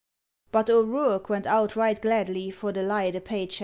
' But O'Ruark went out right gladly for the lie the page O'Ruark